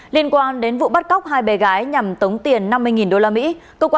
liên quan đến vụ bắt cóc hai bé gái nhằm tống tiền năm mươi usd